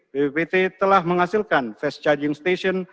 bppt telah menghasilkan fast charging station